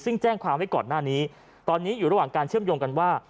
ซึ่งแจ้งความไว้ก่อนหน้านี้ตอนนี้อยู่ระหว่างการเชื่อมโยงกันว่า